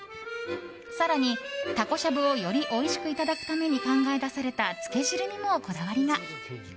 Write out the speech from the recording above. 更に、たこしゃぶをよりおいしくいただくために考え出されたつけ汁にもこだわりが。